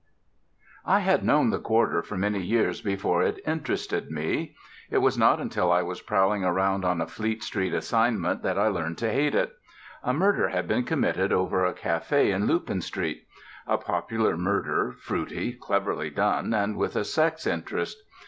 I had known the quarter for many years before it interested me. It was not until I was prowling around on a Fleet Street assignment that I learned to hate it. A murder had been committed over a café in Lupin Street; a popular murder, fruity, cleverly done, and with a sex interest.